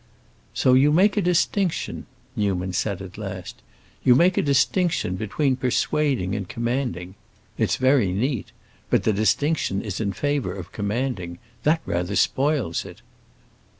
"So you make a distinction?" Newman said at last. "You make a distinction between persuading and commanding? It's very neat. But the distinction is in favor of commanding. That rather spoils it."